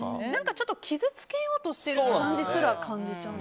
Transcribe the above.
ちょっと傷つけようとしている感じすらしちゃう。